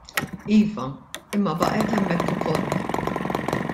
Iva, imma baqgħet hemmhekk ukoll.